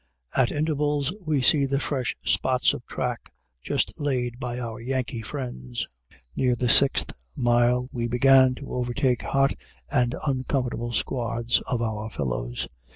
At intervals we see the fresh spots of track just laid by our Yankee friends. Near the sixth mile, we began to overtake hot and uncomfortable squads of our fellows.